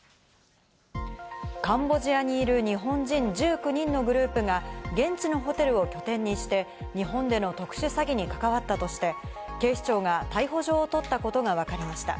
カンボジアにいる日本人１９人のグループが現地のホテルを拠点にして、日本での特殊詐欺に関わったとして、警視庁が逮捕状を取ったことがわかりました。